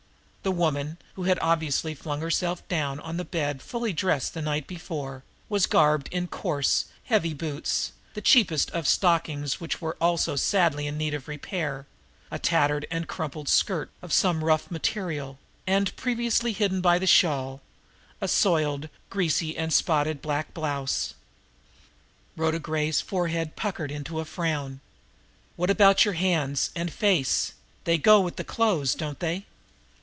The woman, who had obviously flung herself down on the bed fully dressed the night before, was garbed in coarse, heavy boots, the cheapest of stockings which were also sadly in need of repair, a tattered and crumpled skirt of some rough material, and, previously hidden by the shawl, a soiled, greasy and spotted black blouse. Rhoda Gray's forehead puckered into a frown. "What about your hands and face they go with the clothes, don't they?"